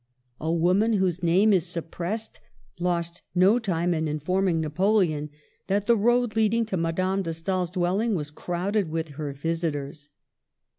A woman, whose name is suppressed, lost no time in informing Napoleon that the road leading to Madame de Stael's dwelling was crowded with her visitors.